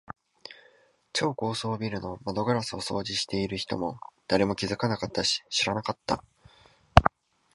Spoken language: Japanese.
超高層ビルの窓ガラスを掃除している人も、誰も気づかなかったし、知らなかった。